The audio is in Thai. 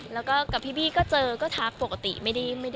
แล้วก็กับพี่ก็เจอก็ทักปกติไม่ได้อะไรค่ะ